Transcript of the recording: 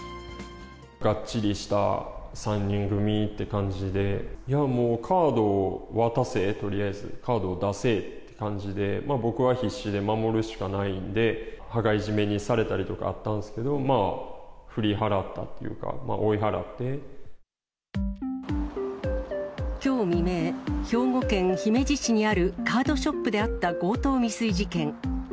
がっちりした３人組って感じで、もう、カードを渡せ、とりあえず、カードを出せという感じで、僕は必死で守るしかないんで、羽交い締めにされたりとかあったんですけど、まあ、振り払ったっきょう未明、兵庫県姫路市にあるカードショップであった強盗未遂事件。